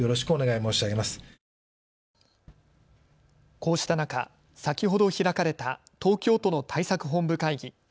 こうした中、先ほど開かれた東京都の対策本部会議。